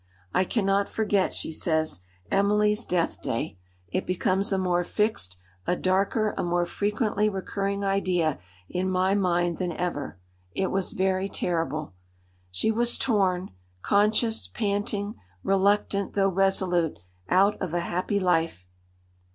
"I cannot forget," she says, "Emily's death day; it becomes a more fixed, a darker, a more frequently recurring idea in my mind than ever. It was very terrible. She was torn, conscious, panting, reluctant, though resolute, out of a happy life."